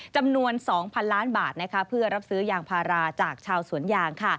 จำนวน๒๐๐๐ล้านบาทเพื่อรับซื้อยางพาราจากชาวสวนยาง